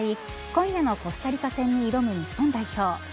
今夜のコスタリカ戦に挑む日本代表。